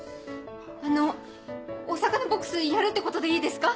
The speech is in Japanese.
あのお魚ボックスやるってことでいいですか？